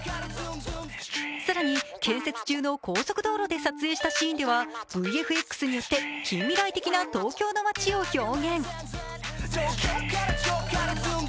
更に建設中の高速道路で撮影したシーンではＶＦＸによって近未来的なＴＯＫＹＯの街を表現。